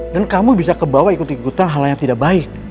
dan kamu bisa kebawa ikut ikutan hal yang tidak baik